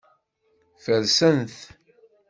Fersen-t.